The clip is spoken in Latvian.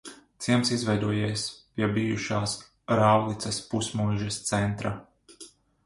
Ciems izveidojies pie bijušās Rāvlicas pusmuižas centra.